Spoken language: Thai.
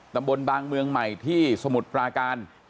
บางเมืองใหม่ที่สมุทรปราการ